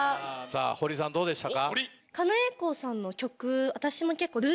堀さんどうでしたか？